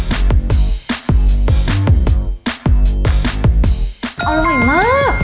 อร่อยมาก